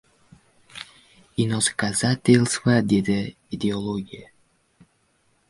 — Inoskazatelstva! — dedi Ideologiya.